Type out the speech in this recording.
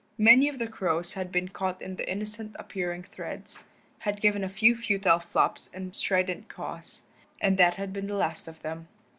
Many of the crows had been caught in the innocent appearing threads, had given a few futile flops and strident caws, and that had been the last of them.